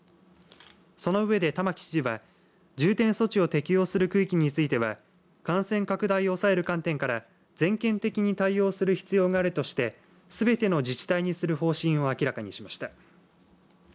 その上で、玉城知事は重点措置を適用する区域については感染拡大を抑える観点から全県的に対応する必要があるとしてすべての自治体にする方針を明らかにしました。